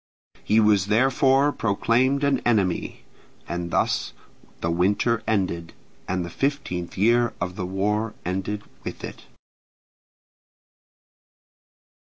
He was therefore proclaimed an enemy. And thus the winter ended, and the fifteenth year of the war ended with it.